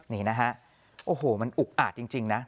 นี่นะฮะโอ้โหมันอุกอาจจริงนะ